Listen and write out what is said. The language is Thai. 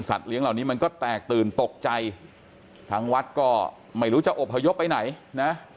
เลี้ยงเหล่านี้มันก็แตกตื่นตกใจทางวัดก็ไม่รู้จะอบพยพไปไหนนะ